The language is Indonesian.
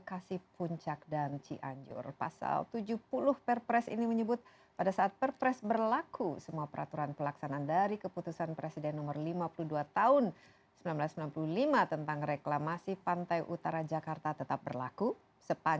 arya dito tama jakarta